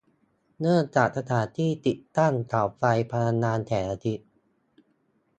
เนื่องจากสถานที่ติดตั้งเสาไฟพลังงานแสงอาทิตย์